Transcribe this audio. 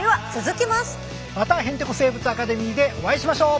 また「へんてこ生物アカデミー」でお会いしましょう。